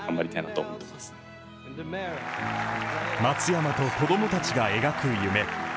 松山と子供たちが描く夢。